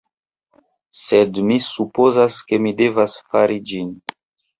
Sed mi supozas ke mi devas fari ĝin!